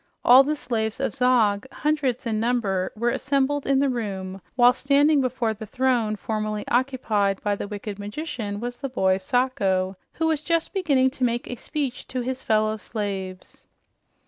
All the slaves of Zog, hundreds in number, were assembled in the room, while standing before the throne formerly occupied by the wicked magician was the boy Sacho, who was just beginning to make a speech to his fellow slaves.